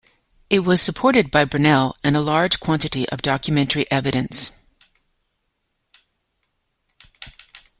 It was supported by Brunel and a large quantity of documentary evidence.